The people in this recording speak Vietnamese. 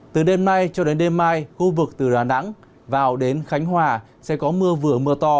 từ đêm nay cho đến đêm mai khu vực từ đà nẵng vào đến khánh hòa sẽ có mưa vừa mưa to